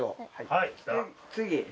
「はい」